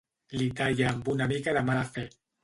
Li talla amb una mica de mala fe.